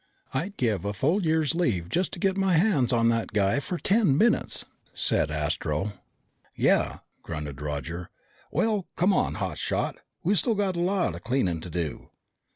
"I'd give a full year's leave just to get my hands on that guy for ten minutes," said Astro. "Yeah," grunted Roger. "Well, come on, hot shot, we still got a lot of cleaning to do."